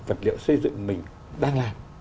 vật liệu xây dựng mình đang làm